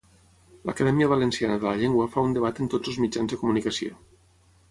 L'Acadèmia Valenciana de la Llengua fa un debat en tots els mitjans de comunicació.